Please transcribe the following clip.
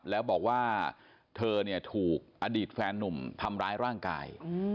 แล้วบอกว่าเธอเนี่ยถูกอดีตแฟนนุ่มทำร้ายร่างกาย